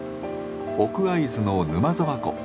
奥会津の沼沢湖。